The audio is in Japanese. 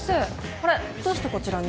あれっどうしてこちらに？